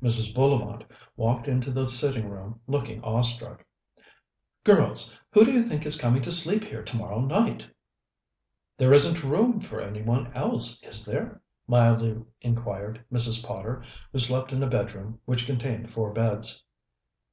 Mrs. Bullivant walked into the sitting room looking awestruck. "Girls, who do you think is coming to sleep here tomorrow night?" "There isn't room for any one else, is there?" mildly inquired Mrs. Potter, who slept in a bedroom which contained four beds.